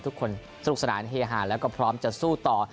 ทุกคนสนุกสนานเฮฮาแล้วก็พร้อมจะสู้ต่อ